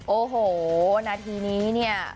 โอ้โหนาทีนี้เนี่ย